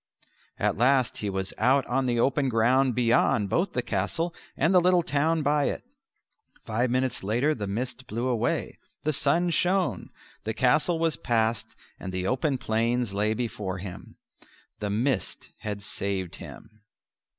At last he was out on the open ground beyond both the castle and the little town by it. Five minutes later the mist blew away; the sun shone; the castle was passed, and the open plains lay before him. The mist had saved him.